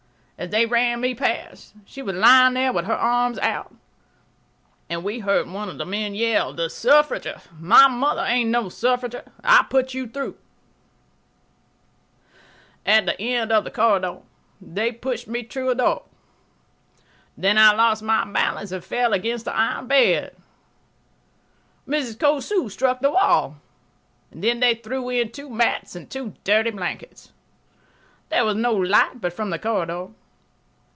As they ran me past, she was lying there with her arms out, and we heard one of the men yell, "The —— suffrager! My mother ain't no suffrager. I'll put you through ——." At the end of the corridor they pushed me through a door. Then I lost my balance and fell against the iron bed. Mrs. Cosu struck the wall. Then they threw in two mats and two dirty blankets. There was no light but from the corridor.